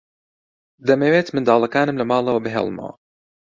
دەمەوێت منداڵەکانم لە ماڵەوە بهێڵمەوە.